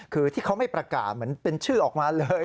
คือที่เขาไม่ประกาศเหมือนเป็นชื่อออกมาเลย